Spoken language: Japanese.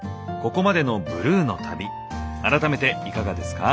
ここまでのＢＬＵＥの旅改めていかがですか？